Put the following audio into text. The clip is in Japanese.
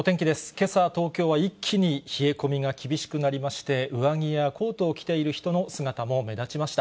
けさ、東京は一気に冷え込みが厳しくなりまして、上着やコートを着ている人の姿も目立ちました。